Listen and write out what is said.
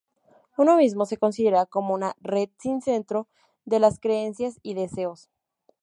Uno mismo se considera como una ""red sin centro de las creencias y deseos"".